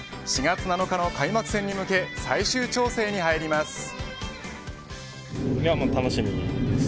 ４月７日の開幕戦に向け最終調整に入ります。